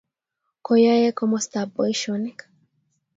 koyae komostab boisionik